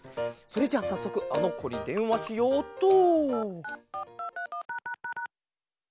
それじゃあさっそくあのこにでんわしようっと。